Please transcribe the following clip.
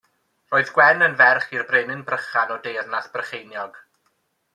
Roedd Gwen yn ferch i'r Brenin Brychan, o Deyrnas Brycheiniog.